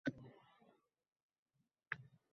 Ko‘p ijodkorlar fitnalar bo‘roni ta’sirida sinib ketadi.